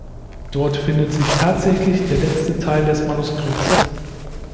Dort findet sich tatsächlich der letzte Teil des Manuskripts.